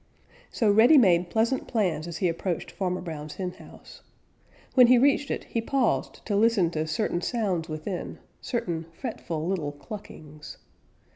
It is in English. So Reddy made pleasant plans as he approached Farmer Brown's henhouse. When he reached it he paused to listen to certain sounds within, certain fretful little cluckings.